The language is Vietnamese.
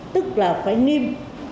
tức là phải nghiêm